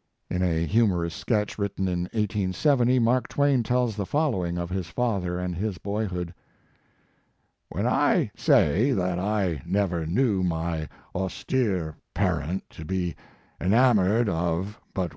* In a humorous sketch written in 1870, Mark Twain tells the following of his father and his boyhood: When I say that I never knew my austere parent to be enamored of but His Life and Work.